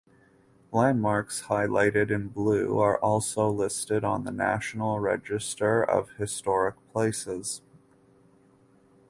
Landmarks highlighted in blue are also listed on the National Register of Historic Places.